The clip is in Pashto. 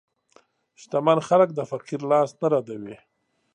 شتمن خلک د فقیر لاس نه ردوي.